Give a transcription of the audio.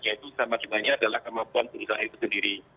yaitu sama juga adalah kemampuan pengusaha itu sendiri